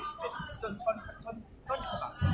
ต้นต้นต้นต้นต้นต้นต้นต้น